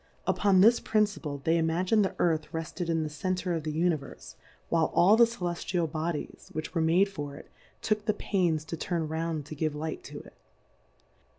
Upon this Principle they imagined the Earth refted in the Center of the Univerfe, while all the Celeftial Bodies 1 6 Difcourfes on the Bodies fwhich were made for it) took the Pains to turn round to give Light to it.